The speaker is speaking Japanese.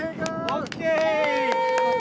・ＯＫ！